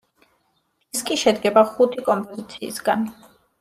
დისკი შედგება ხუთი კომპოზიციისგან.